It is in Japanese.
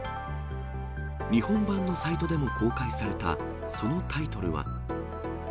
日本版のサイトでも公開されたそのタイトルは。